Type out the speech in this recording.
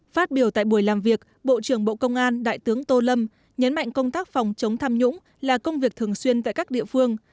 phát biểu tại buổi làm việc bộ trưởng bộ công an đại tướng tô lâm nhấn mạnh công tác phòng chống tham nhũng là công việc thường xuyên tại các địa phương